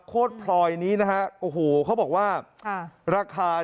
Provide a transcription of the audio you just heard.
โคตรพรอยนี้นะครับเขาบอกว่า